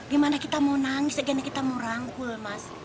dimana kita mau nangis dimana kita mau rangkul mas